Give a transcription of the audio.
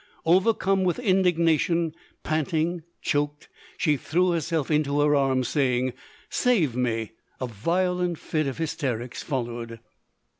Overcome with indignation, panting, choked, she threw herself into her arms, saying, " Save me !" A violent fit of hysterics followed.